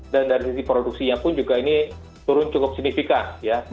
dan dari sisi produksinya pun juga ini turun cukup signifikan